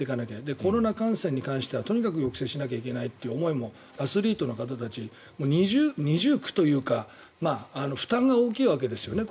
コロナ感染に対してはとにかく抑制しなきゃいけないという思いもアスリートの方たち二重苦というか負担が大きいわけですね。